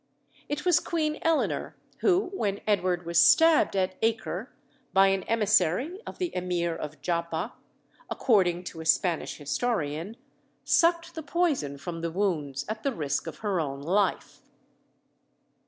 It was Queen Eleanor who, when Edward was stabbed at Acre, by an emissary of the Emir of Joppa, according to a Spanish historian, sucked the poison from the wounds at the risk of her own life.